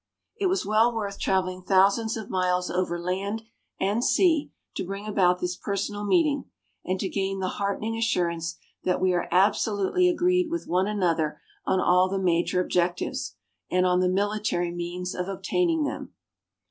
It was well worth traveling thousands of miles over land and sea to bring about this personal meeting, and to gain the heartening assurance that we are absolutely agreed with one another on all the major objectives and on the military means of obtaining them.